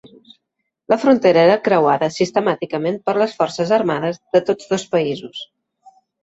La frontera era creuada sistemàticament per les forces armades de tots dos països.